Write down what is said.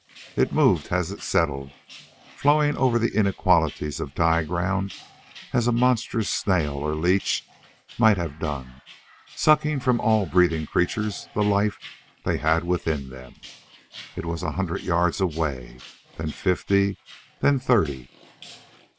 It moved as it settled flowing over the inequalities of die ground as a monstrous snail or leach might have done, sucking from all breathing creatures the life they had within them. It was a hundred yards away, then fifty, then thirty....